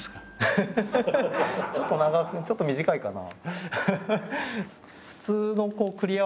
ちょっとちょっと短いかな？